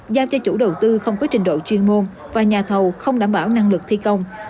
giao cho chủ đầu tư không có trình độ chuyên môn và nhà thầu không đảm bảo năng lực thi công